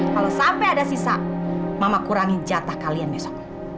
kalau sampai ada sisa mama kurangi jatah kalian besok